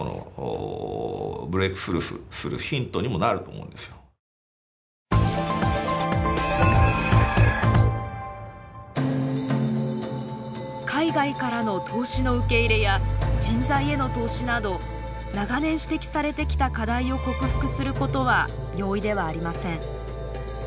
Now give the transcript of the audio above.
そこはすごい名越スタジオに入って一つのその海外からの投資の受け入れや人材への投資など長年指摘されてきた課題を克服することは容易ではありません。